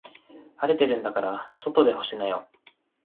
晴れてるんだから外で干しなよ。